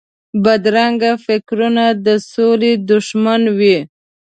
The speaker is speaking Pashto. بدرنګه فکرونه د سولې دښمن وي